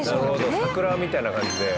サクラみたいな感じで。